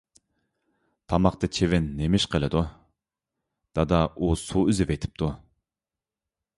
_ تاماقتا چىۋىن نېمىش قىلدۇ؟ _ دادا، ئۇ سۇ ئۈزۈۋېتىپتۇ.